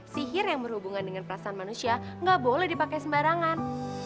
sihir yang berhubungan dengan perasaan manusia nggak boleh dipakai sembarangan